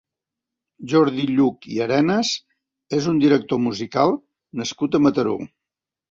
Jordi Lluch i Arenas és un director musical nascut a Mataró.